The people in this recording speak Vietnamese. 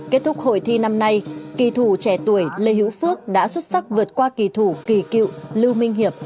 kết thúc hội thi năm nay kỳ thủ trẻ tuổi lê hữu phước đã xuất sắc vượt qua kỳ thủ kỳ cựu lưu minh hiệp